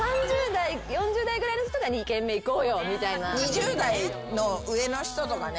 ２０代の上の人とかね。